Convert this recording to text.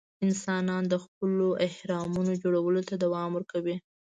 انسانان د خپلو اهرامونو جوړولو ته دوام ورکوي.